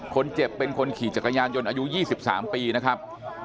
คนเจ็บเป็นคนขี่จักรยานยนต์อายุ๒๓ปีนะครับ